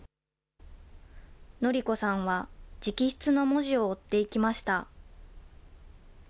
紀子さんは直筆の文字を追っていきました。